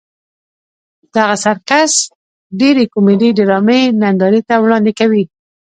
دغه سرکس ډېرې کومیډي ډرامې نندارې ته وړاندې کوي.